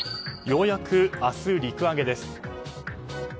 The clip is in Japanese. ようやく明日、陸揚げです。